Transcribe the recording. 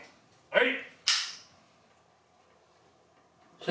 はい。